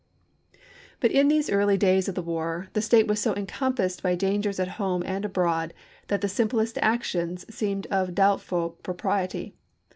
But in the early days of the war the state was so encompassed by dan gers at home and abroad that the simplest actions seemed of doubtful propriety.